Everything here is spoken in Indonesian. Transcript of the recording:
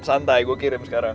santai gue kirim sekarang